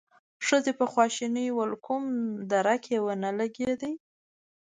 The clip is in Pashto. ښځې په خواشينۍ وويل: کوم درک يې ونه لګېد؟